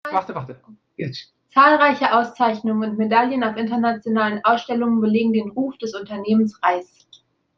Zahlreiche Auszeichnungen und Medaillen auf internationalen Ausstellungen belegen den Ruf des Unternehmens Reiss.